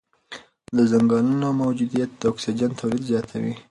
د ځنګلونو موجودیت د اکسیجن تولید زیاتوي.